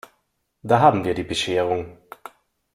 Da haben wir die Bescherung!